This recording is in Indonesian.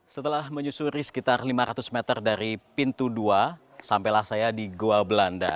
setelah menyusuri sekitar lima ratus meter dari pintu dua sampailah saya di goa belanda